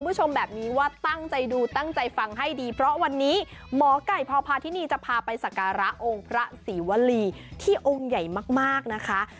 คุณผู้ชมแบบนี้ว่าตั้งใจดูตั้งใจฟังให้ดีเพราะวันนี้หมอไก่พอพาทินีจะพาไปสักการะองค์พระศรีวรีที่องค์ใหญ่มากนะคะ